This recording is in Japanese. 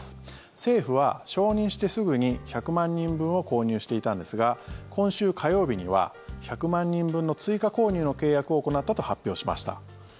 政府は承認してすぐに１００万人分を購入していたんですが今週火曜日には１００万人分の追加購入の契約を行ったと発表しました。